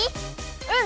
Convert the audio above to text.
うん！